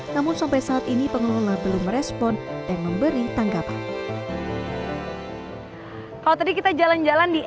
namun sampai saat ini pengelola belum respon dan memberi tanggapan kalau tadi kita jalan jalan di